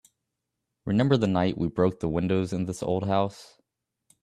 Remember the night we broke the windows in this old house?